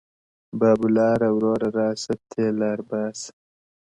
بابولاره وروره راسه تې لار باسه.